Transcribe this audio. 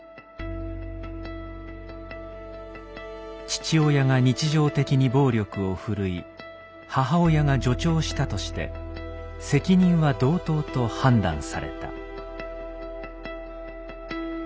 父親が日常的に暴力を振るい母親が助長したとして責任は同等と判断された。